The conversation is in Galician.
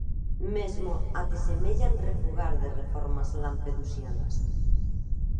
Mesmo até semellan refugar de reformas lampedusianas.